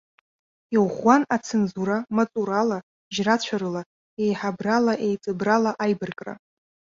Иӷәӷәан ацензура, маҵурала, жьрацәарыла, еиҳабралаеиҵыбрала аибаркра.